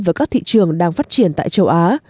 vào các thị trường đang phát triển tại châu á